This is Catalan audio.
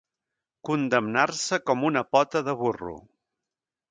Condemnar-se com una pota de burro.